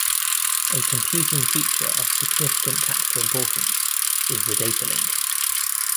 A computing feature of significant tactical importance is the datalink.